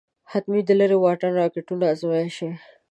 حتی د لېرې واټن راکېټونه ازمايلای شي.